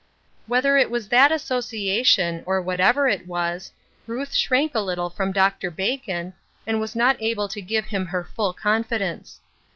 Whether it was that association, or whatever it was, Ruth shrank a little from Dr. Bacon, and was not able to give him her fuU confidence.